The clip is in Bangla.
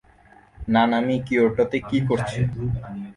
নানামি কিয়োটোতে কী করছে?